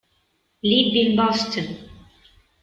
Live in Boston